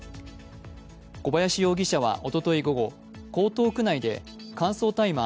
小林容疑者はおととい午後、江東区内で乾燥大麻